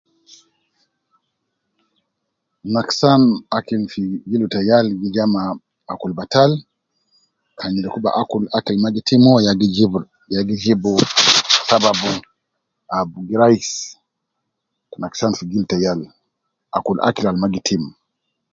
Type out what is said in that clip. Naksan akili fi gildu ta yal gi ja ma akul batal, akul akil al maa gi tim uwo ya go jibu Saba raisi ta naksan akil fi gildu ta yal. Akul akil Al maa gi tim